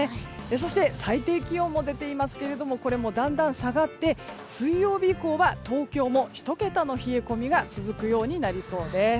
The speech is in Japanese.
そして、最低気温も出ていますけれどもこれもだんだん下がって水曜日以降は東京も１桁の冷え込みが続くようになりそうです。